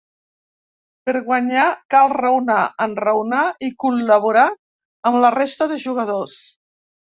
Per guanyar cal raonar, enraonar i col·laborar amb la resta de jugadors.